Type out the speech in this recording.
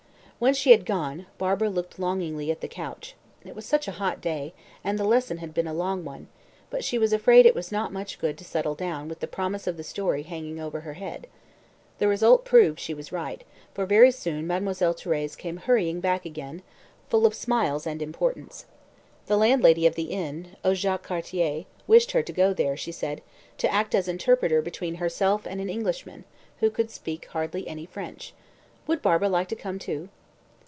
When she had gone, Barbara looked longingly at the couch. It was such a hot day, and the lesson had been a long one; but she was afraid it was not much good to settle down with the promise of the story hanging over her head. The result proved she was right, for very soon Mademoiselle Thérèse came hurrying back again, full of smiles and importance. The landlady of the inn, Au Jacques Cartier, wished her to go there, she said, to act as interpreter between herself and an Englishman, who could speak hardly any French. Would Barbara like to come too?